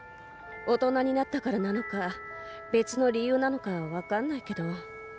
大人になったからなのか別の理由なのかは分かんないけど多分ね。